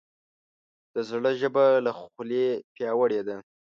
د زړه ژبه له خولې پیاوړې ده.